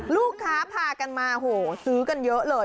ลูกค้าพากันมาโหซื้อกันเยอะเลย